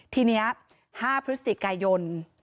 ทีนี้๕พฤศจิกายน